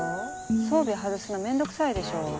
装備外すの面倒くさいでしょ。